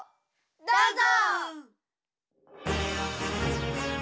どうぞ！